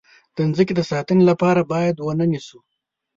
د مځکې د ساتنې لپاره باید ونه نیسو.